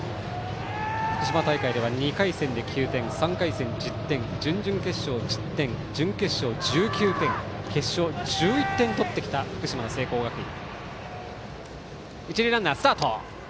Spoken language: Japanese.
福島大会では２回戦で９点、３回戦で１０点準々決勝で１０点準決勝で１９点決勝１１点取ってきた福島の聖光学院。